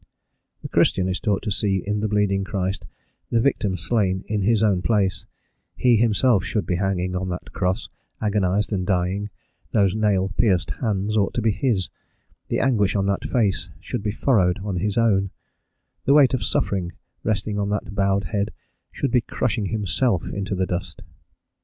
The Christian is taught to see in the bleeding Christ the victim slain in his own place; he himself should be hanging on that cross, agonised and dying; those nail pierced hands ought to be his; the anguish on that face should be furrowed on his own; the weight of suffering resting on that bowed head should be crushing himself inta the dust.